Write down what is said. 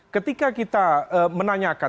ketika kita menanyakan